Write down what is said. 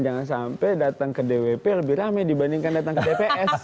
jangan sampai datang ke dwp lebih rame dibandingkan datang ke tps